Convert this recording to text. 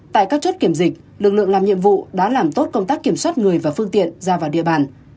tại các chốt kiểm dịch lực lượng làm nhiệm vụ đã làm tốt công tác kiểm soát người và phương tiện ra vào địa bàn